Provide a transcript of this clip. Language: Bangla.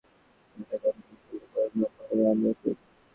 এটা কন্ঠ কোকিলা করার নাম্বার ওয়ান ঔষধ।